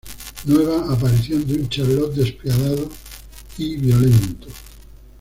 Nueva aparición de un Charlot despiadado y violento.